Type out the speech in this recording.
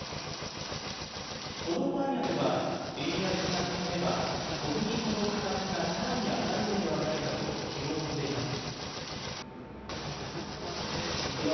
このパン屋では、円安が進めば、小麦粉の価格がさらに上がるのではないかと気をもんでいます。